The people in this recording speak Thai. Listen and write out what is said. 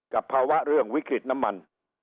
ภาวะเรื่องวิกฤตน้ำมัน